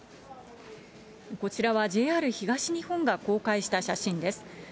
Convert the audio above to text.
こちらは、ＪＲ東日本が公開した写真です。